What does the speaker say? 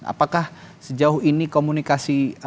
apakah sejauh ini komunikasi